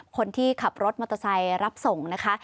คนที่ขับรถมอเตอร์ไซค์รับส่งนะคะ